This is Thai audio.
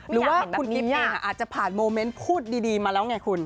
หรือว่าคุณกิ๊บเองอาจจะผ่านโมเมนต์พูดดีมาแล้วไงคุณ